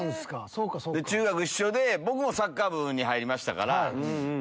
中学一緒で僕もサッカー部に入りましたから。